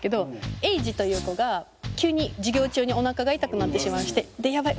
英二という子が急に授業中におなかが痛くなってしまいましてやばい！